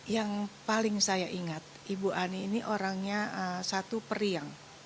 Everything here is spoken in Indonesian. yang paling saya ingat ibu ani ini orangnya satu periang